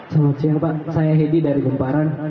selamat siang pak saya hedi dari gemparan